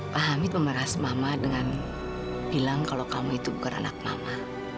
pak hamid memeras mama dengan bilang kalau kamu itu bukan anak mama